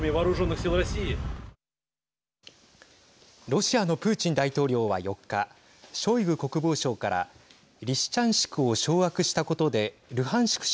ロシアのプーチン大統領は４日ショイグ国防相からリシチャンシクを掌握したことでルハンシク